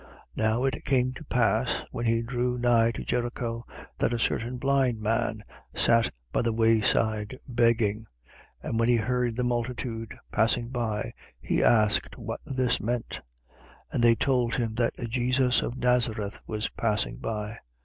18:35. Now it came to pass, when he drew nigh to Jericho, that a certain blind man sat by the way side, begging. 18:36. And when he heard the multitude passing by, he asked what this meant. 18:37. And they told him that Jesus of Nazareth was passing by.